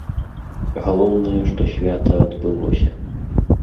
Галоўнае, што свята адбылося!